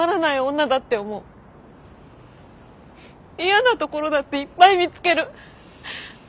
嫌なところだっていっぱい見つける。